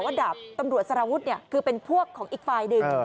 ว่าดาบตำรวจสละวุดคือเป็นควอกของอีกฝ่ายหนึ่ง